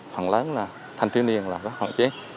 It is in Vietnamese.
phần lớn là thanh tiên niên hoạn chế